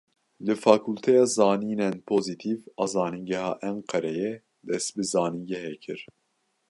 Li fakûlteya zanînên pozîtîv a Zanîngeha Enqereyê dest bi zanîngehê kir.